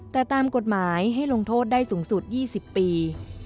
แต่ตามกฎหมายให้ลงโทษได้สูงสุด๒๐ปี